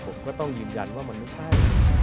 ผมก็ต้องยืนยันว่ามันไม่ใช่